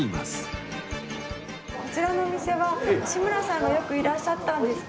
こちらのお店は志村さんがよくいらっしゃったんですか？